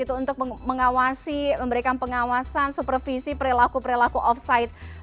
untuk memberikan pengawasan supervisi perilaku perilaku off site